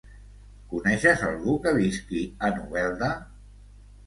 Coneixes algú que visqui a Novelda?